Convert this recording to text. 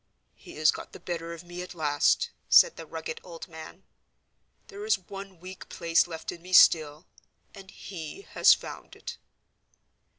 "He has got the better of me at last," said the rugged old man. "There is one weak place left in me still—and he has found it."